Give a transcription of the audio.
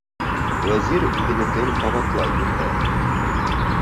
Вәзир үҙенекен ҡабатлай бирҙе: